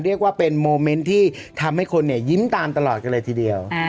เรียกว่าเป็นโมเมนต์ที่ทำให้คนยิ้มตามตลอดกันเลยทีเดียว